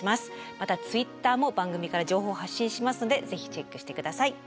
またＴｗｉｔｔｅｒも番組から情報を発信しますのでぜひチェックして下さい。